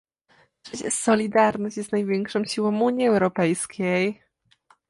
Przecież solidarność jest największą siłą Unii Europejskiej